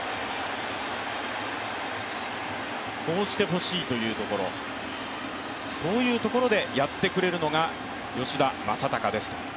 こうしてほしいというところ、そういうところでやってくれるのが吉田正尚です。